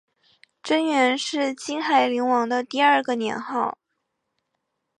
贞元是金海陵王的第二个年号。